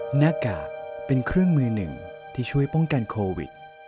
หน้ากากเป็นเครื่องมือหนึ่งที่ช่วยป้องกันโควิด